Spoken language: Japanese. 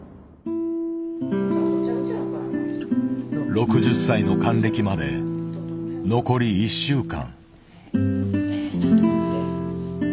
６０歳の還暦まで残り１週間。